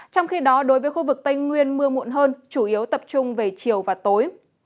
trong khi đó đối với khu vực tây nguyên mưa muộn hơn chủ yếu tập trung về chiều và tối